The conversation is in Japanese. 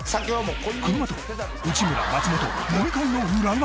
この後内村松本飲み会の裏側